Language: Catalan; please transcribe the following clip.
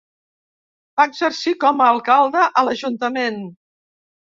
Va exercir com a alcalde a l'ajuntament.